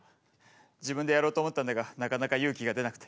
自分でやろうと思ったんだがなかなか勇気が出なくて。